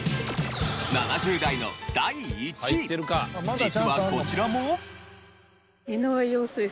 実はこちらも。